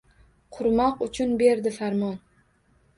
Qurmoq uchun berdi farmon